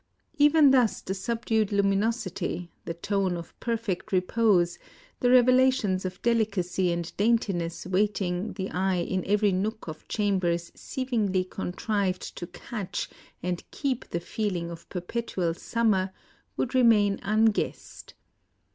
Even thus the sub dued luminosity, the tone of perfect repose, the revelations of delicacy and daintiness waiting the eye in every nook of chambers seemingly contrived to catch and keep the feeling of per petual summer, would remain unguessed.